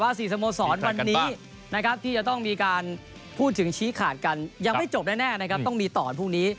๔สโมสรวันนี้นะครับที่จะต้องมีการพูดถึงชี้ขาดกันยังไม่จบแน่นะครับต้องมีต่อวันพรุ่งนี้